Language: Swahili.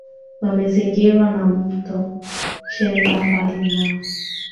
Wamezingirwa na moto, cheza mbali nao.